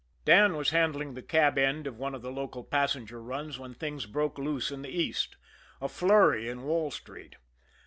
Dan was handling the cab end of one of the local passenger runs when things broke loose in the East a flurry in Wall Street.